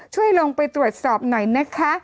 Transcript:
ช่วยลงไปตรวจสอบหน่อยนะคะ